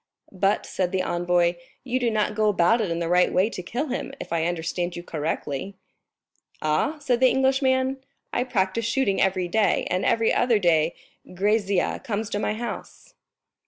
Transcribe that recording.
"But," said the envoy, "you do not go about it in the right way to kill him, if I understand you correctly." "Aw?" said the Englishman, "I practice shooting every day, and every other day Grisier comes to my house."